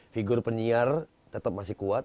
figur penyiar tetap masih kuat